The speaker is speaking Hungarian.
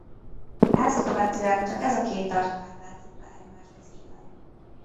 Ezt követően csak ez a két tartomány váltotta egymást az élen.